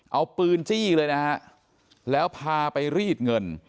เอาปืนจี้เลยนะฮะแล้วพาไปรีดเงิน